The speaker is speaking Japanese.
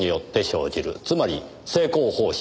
つまり成功報酬。